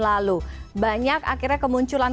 lalu banyak akhirnya kemunculan